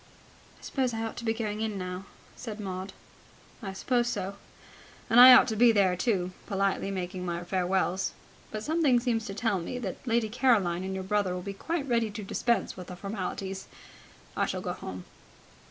"I suppose I ought to be going in now," said Maud. "I suppose so. And I ought to be there, too, politely making my farewells. But something seems to tell me that Lady Caroline and your brother will be quite ready to dispense with the formalities. I shall go home."